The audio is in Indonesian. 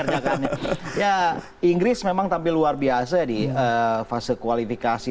ya inggris memang tampil luar biasa di fase kualifikasi